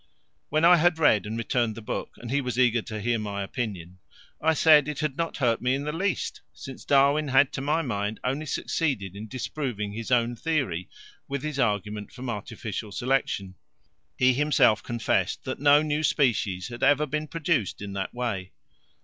When I had read and returned the book, and he was eager to hear my opinion, I said it had not hurt me in the least, since Darwin had to my mind only succeeded in disproving his own theory with his argument from artificial selection. He himself confessed that no new species had ever been produced in that way.